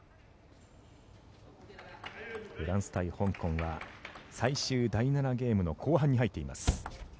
フランス対香港は最終第７ゲームの後半に入っています。